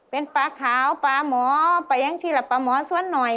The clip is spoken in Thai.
เป็นปลาขาวปลาหมอไปยังทีละปลาหมอสวนหน่อย